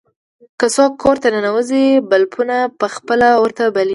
که څوک کور ته ننوځي، بلپونه په خپله ورته بلېږي.